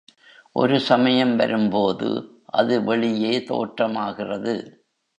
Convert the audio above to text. ஒரு சமயம் வரும்போது, அது வெளியே தோற்றமாகிறது.